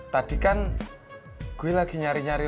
tadi kan gue lagi nyari nyari